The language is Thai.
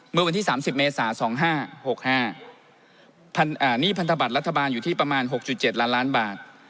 เมื่อวันที่๓๐เมษา๒๕๖๕หนี้พันธบัตรรัฐบาลอยู่ที่ประมาณ๖๗ล้านล้านบาท